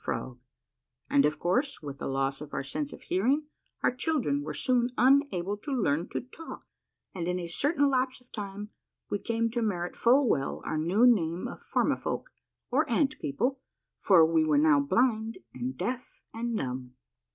frog ; and of course with the loss of our sense of hearing our children were soon unable to learn to talk, and in a certain lapse of time we came to merit full well our new name of Formifolk, or Ant People, for we were now blind and deaf and dumb.